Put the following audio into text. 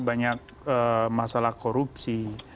banyak masalah korupsi